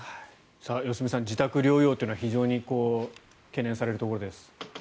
良純さん自宅療養というのは懸念されるところです。